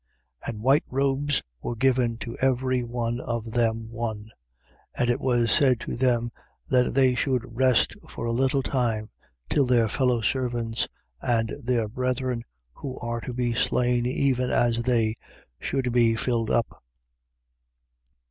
And white robes were given to every one of them one; And it was said to them that they should rest for a little time till their fellow servants and their brethren, who are to be slain even as they, should be filled up.